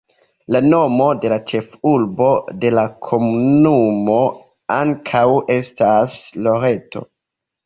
La nomo de la ĉefurbo de la komunumo ankaŭ estas Loreto.